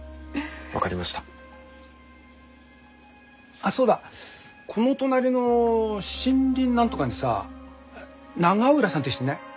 あっそうだこの隣の森林なんとかにさ永浦さんって人いない？